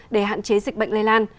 để hạn chế dịch bệnh lây lan